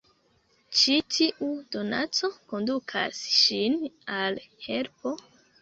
Ĉi tiu donaco kondukas ŝin al helpo...